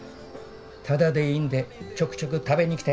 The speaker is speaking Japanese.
「タダでいいんでちょくちょく食べに来て」